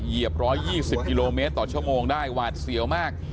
เหยียบ๑๒๐กิโลเมตรต่อชั่วโมงได้หวาดเสียวมาก